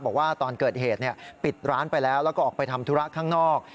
บอกว่าตอนเกิดเหตุปิดร้านไปแล้วแล้วก็ออกไปทำธุระข้างนอก